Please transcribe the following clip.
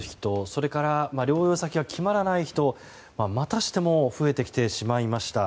それから療養先が決まらない人またしても増えてきてしまいました。